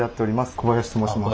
小林と申します。